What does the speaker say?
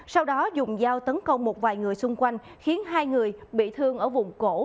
sau đó dùng dao tấn công một vài người xung quanh khiến hai người bị thương ở vùng cổ